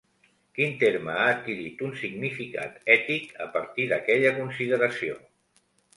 Quin terme ha adquirit un significat ètic a partir d'aquella consideració?